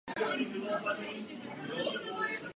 Inventář kostela přešel na náboženskou matici.